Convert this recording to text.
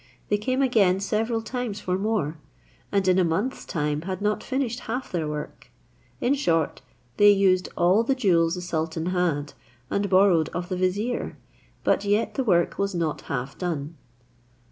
They came again several times for more, and in a month's time had not finished half their work. In short, they used all the jewels the sultan had, and borrowed of the vizier, but yet the work was not half done.